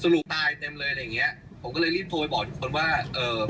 ลูกตายเต็มเลยอะไรอย่างเงี้ยผมก็เลยรีบโทรไปบอกอีกคนว่าเอ่อ